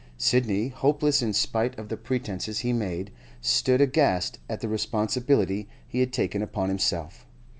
Sidney, hopeless in spite of the pretences he made, stood aghast at the responsibility he had taken upon himself.